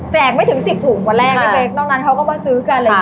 แจกไม่ถึง๑๐ถุงวันแรกนอกนั้นเขาก็มาซื้อกัน